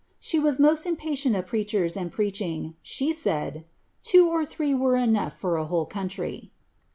••■ she was itiosl impatient of preacher* uti preaching — she said, ' two or three were enough for a whole couuiy.'"